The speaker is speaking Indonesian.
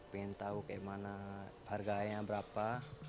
pengen tau harganya berapa